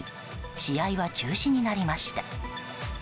試合は中止になりました。